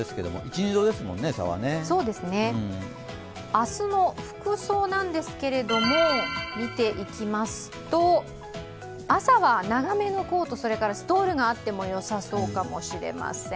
明日の服装なんですけれども、見ていきますと朝は長めのコート、ストールがあってもよさそうかもしれません。